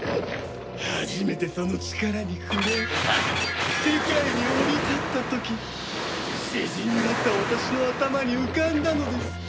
初めてその力に触れ世界に降り立った時詩人だった私の頭に浮かんだのです。